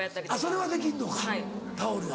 それはできんのかタオルは。